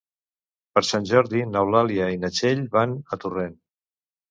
Per Sant Jordi n'Eulàlia i na Txell van a Torrent.